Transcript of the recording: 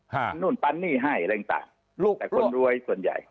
ท้านู่นปัญห์ให้อะไรอย่างต่างแต่คนรวยส่วนใหญ่